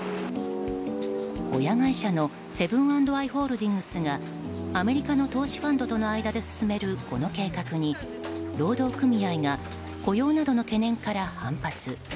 親会社のセブン＆アイ・ホールディングスがアメリカの投資ファンドとの間で進める、この計画に労働組合が雇用などの懸念から反発。